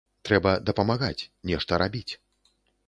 Трэба дапамагаць, нешта рабіць.